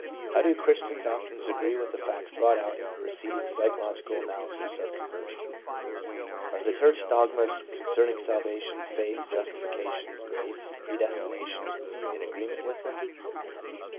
How do Christian doctrines agree with the facts brought out in the preceding psychological analysis of conversion? Are the church dogmas concerning salvation, faith, justifica tion, grace, predestination, in agreement with them?